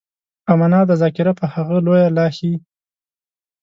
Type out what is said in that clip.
امنا ده ذاکره په هغه لويه لاښي.